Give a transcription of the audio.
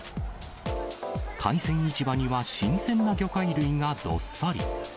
海鮮市場には新鮮な魚介類がどっさり。